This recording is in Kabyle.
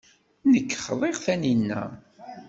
Nekk xḍiɣ Taninna.